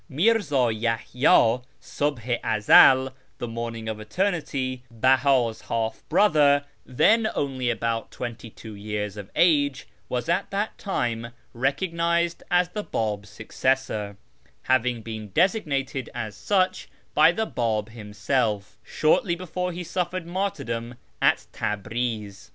Mirza Yahyi'i, " ^vhh i Ezd "(" the Morning of Eternity "), Beha's half brotlier (tlien only about twenty two years of age), was at that time recog nised as the Bab's successor, having been designated as such by the Bab himself, shortly before he suffered martyrdom at Tabriz.